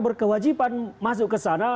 berkewajiban masuk ke sana